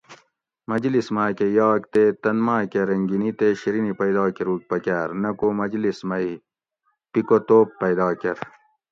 مجلس ماکہ یاگ تے تن ماکہ رنگینی تے شیرینی پیدا کروگ پکار نہ کو مجلس مئی پِیکہ توب پیدا کۤر